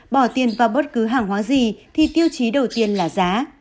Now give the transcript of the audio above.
bỏ tiền vào bất cứ hàng hóa gì thì tiêu chí đầu tiên là giá